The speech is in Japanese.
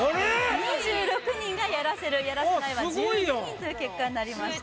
２６人が「やらせる」「やらせない」は１２人という結果になりました